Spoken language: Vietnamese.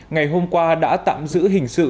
ngày hôm qua đã tạm giữ hình sự